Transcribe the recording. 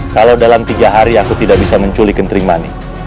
kalau dalam tiga hari aku tidak bisa menculik kentring mani